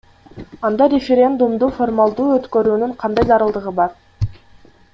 Анда референдумду формалдуу өткөрүүнүн кандай зарылдыгы бар?